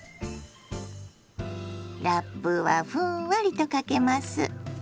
ラップはふんわりとかけます。